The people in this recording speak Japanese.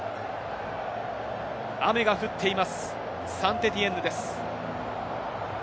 雨が降っているサンテティエンヌです。